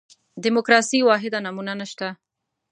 دیموکراسي واحده نمونه نه شته.